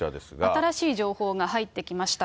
新しい情報が入ってきました。